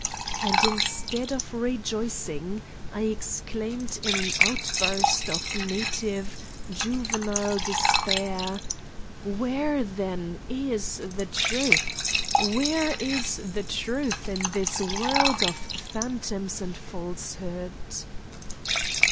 And instead of rejoicing, I exclaimed in an outburst of naive, juvenile despair: "Where, then, is the truth? Where is the truth in this world of phantoms and falsehood?"